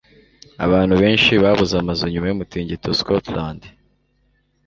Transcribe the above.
abantu benshi babuze amazu nyuma yumutingito sctld